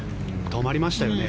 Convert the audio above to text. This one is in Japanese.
止まりましたよね。